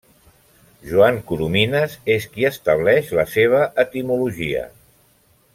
Joan Coromines és qui estableix la seva etimologia.